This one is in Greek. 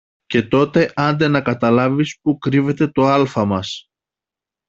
Και τότε άντε να καταλάβεις που κρύβεται το άλφα μας